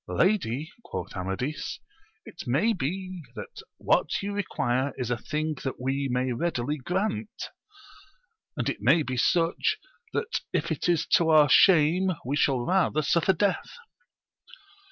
Lady, quoth Amadis, it may be that what you require is a thing that we may readily grant ; and it may be such, that if it is to our shame we shall rather suffer death.